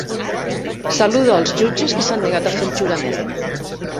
Saludo als jutges que s'han negat a fer el jurament.